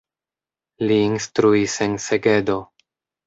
Li instruis en Segedo.